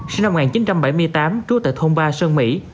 sinh năm một nghìn chín trăm bảy mươi tám trú tại thôn ba sơn mỹ